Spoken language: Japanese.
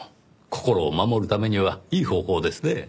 心を守るためにはいい方法ですねぇ。